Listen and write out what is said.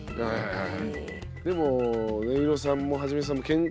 はい。